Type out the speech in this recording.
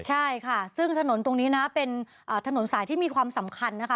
ใช่ค่ะซึ่งถนนตรงนี้นะเป็นถนนสายที่มีความสำคัญนะคะ